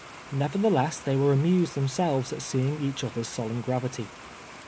Nevertheless they were amused themselves at seeing each other's solemn gravity.